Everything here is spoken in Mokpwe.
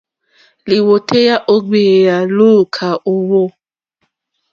Lìwòtéyá ó gbèyà lùúkà ó hwò.